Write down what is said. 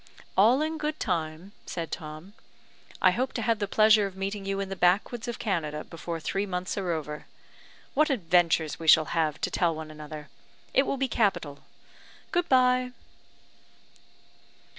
"All in good time," said Tom. "I hope to have the pleasure of meeting you in the backwoods of Canada before three months are over. What adventures we shall have to tell one another! It will be capital. Good bye."